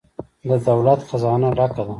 د دولت خزانه ډکه ده؟